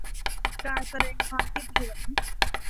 การแสดงความคิดเห็น